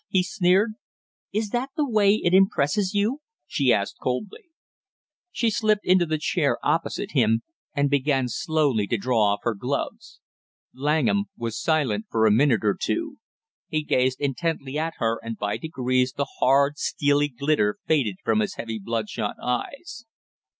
he sneered. "Is that the way it impresses you?" she asked coldly. She slipped into the chair opposite him and began slowly to draw off her gloves. Langham was silent for a minute or two; he gazed intently at her and by degrees the hard steely glitter faded from his heavy bloodshot eyes.